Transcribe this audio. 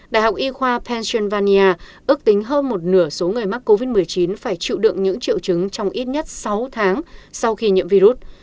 đại học y khoa pennsylvania ước tính hơn một nửa số người mắc covid một mươi chín phải chịu đựng những triệu chứng trong ít nhất sáu tháng sau khi nhiễm virus